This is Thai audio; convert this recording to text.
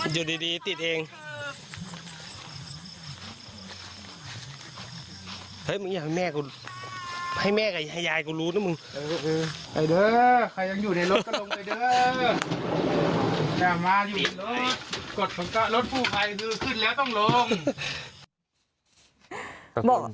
กฎของรถผู้ภัยคือขึ้นแล้วต้องลง